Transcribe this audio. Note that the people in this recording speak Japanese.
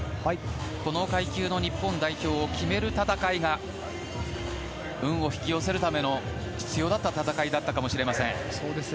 この階級の日本代表を決める戦いが運を引き寄せるために必要だった戦いだったかもしれません。